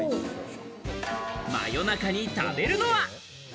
夜中に食べるのは？